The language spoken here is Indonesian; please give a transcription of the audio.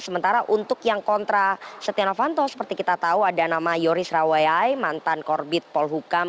sementara untuk yang kontra setia novanto seperti kita tahu ada nama yoris rawayai mantan korbit polhukam